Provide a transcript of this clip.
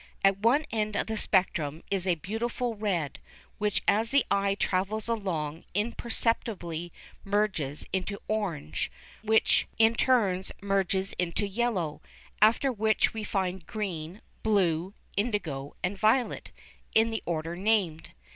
At one end of the spectrum is a beautiful red, which, as the eye travels along, imperceptibly merges into orange, which in turn merges into yellow, after which we find green, blue, indigo and violet, in the order named.